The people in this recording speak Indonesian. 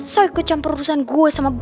saya kecam perurusan gue sama nengma